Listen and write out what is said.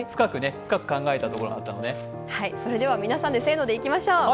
それでは皆さんでせーのでいきましょう。